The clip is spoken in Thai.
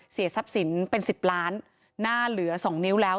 ทรัพย์สินเป็น๑๐ล้านหน้าเหลือ๒นิ้วแล้ว